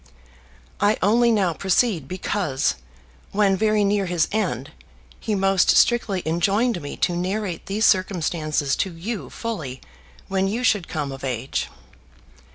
I only now proceed because, when very near his end, he most strictly enjoined me to narrate these circumstances to you fully when you should come of age.